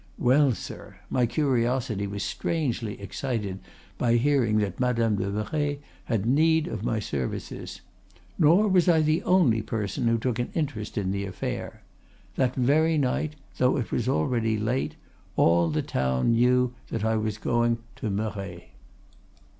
Well, sir, my curiosity was strangely excited by hearing that Madame de Merret had need of my services. Nor was I the only person who took an interest in the affair. That very night, though it was already late, all the town knew that I was going to Merret.